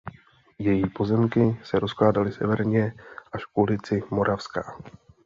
Její pozemky se rozkládaly severně až k ulici Moravská.